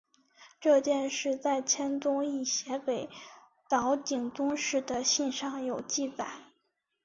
这件事在千宗易写给岛井宗室的信上有记载。